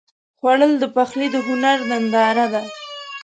خوړل د پخلي د هنر ننداره ده